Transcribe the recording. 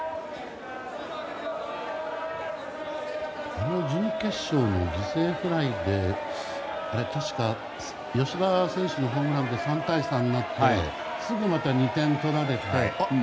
あの準決勝の犠牲フライって確か、吉田選手のホームランで３対３になってすぐまた２点取られて。